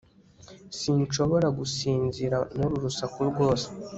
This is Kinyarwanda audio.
sinshobora gusinzira nuru rusaku rwose